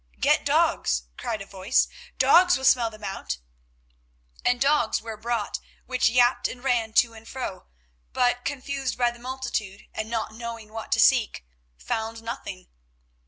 "Get dogs," cried a voice; "dogs will smell them out;" and dogs were brought, which yapped and ran to and fro, but, confused by the multitude, and not knowing what to seek, found nothing.